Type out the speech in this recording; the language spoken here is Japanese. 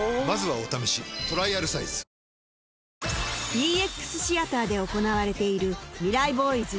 ＥＸ シアターで行われているミライ Ｂｏｙｓ